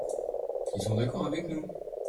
Ils sont d'accord avec nous.